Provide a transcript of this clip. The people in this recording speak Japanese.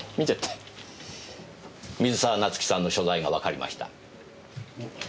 水沢夏樹さんの所在がわかりました。